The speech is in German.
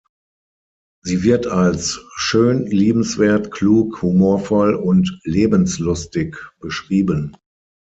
Sie wird als schön, liebenswert, klug, humorvoll und lebenslustig beschrieben.